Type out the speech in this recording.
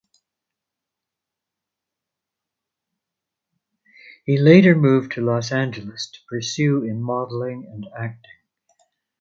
He later moved to Los Angeles to pursue in modeling and acting.